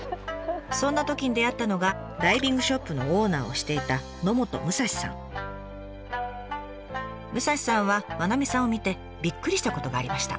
そんなときに出会ったのがダイビングショップのオーナーをしていた武蔵さんは真七水さんを見てびっくりしたことがありました。